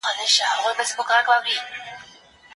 د جرګي په پای کي به یو پرېکړه لیک لوستل کيده.